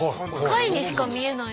貝にしか見えない。